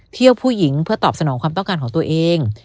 ผู้หญิงเพื่อตอบสนองความต้องการของตัวเอง